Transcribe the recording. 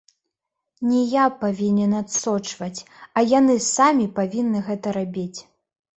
Не я павінен адсочваць, а яны самі павінны гэта рабіць.